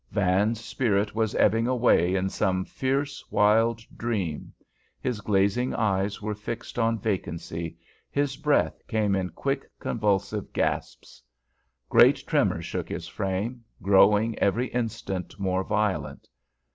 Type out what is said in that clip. Van's spirit was ebbing away in some fierce, wild dream: his glazing eyes were fixed on vacancy; his breath came in quick, convulsive gasps; great tremors shook his frame, growing every instant more violent.